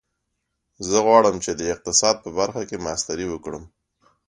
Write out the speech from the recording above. زه غواړم چې د اقتصاد په برخه کې ماسټري وکړم